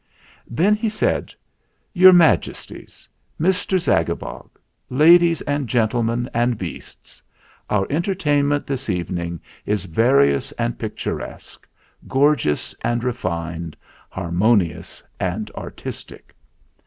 Then he said: "Your Majesties, Mr. Zaga bog, ladies and gentlemen and beasts, our en tertainment this evening is various and picturesque, gorgeous and refined, harmonious and artistic.